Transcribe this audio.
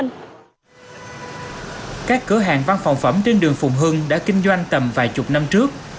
các cửa hàng văn phòng phẩm trên đường phùng hưng đã kinh doanh tầm vài chục năm trước